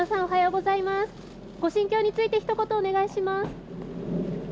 ご心境について、ひと言お願いします。